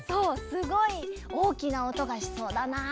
すごいおおきなおとがしそうだなあ。